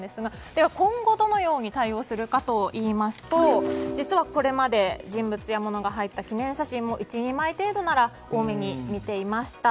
では、今後どのように対応するかといいますと実はこれまで人物や物が入った記念写真も１、２枚程度なら大目に見ていました。